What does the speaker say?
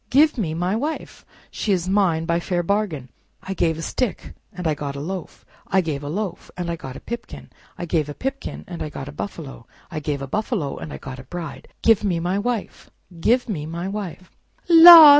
Give me my wife! She is mine by a fair bargain. I gave a stick and I got a loaf; I gave a loaf and I got a pipkin; I gave a pipkin and I got a buffalo; I gave a buffalo and I got a bride. Give me my wife! Give me my wife!" "La!